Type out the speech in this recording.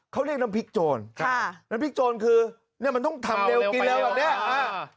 เขาเรียกน้ำพริกโจรค่ะน้ำพริกโจรคือเนี่ยมันต้องทำเร็วกินเร็วแบบเนี้ยอ่า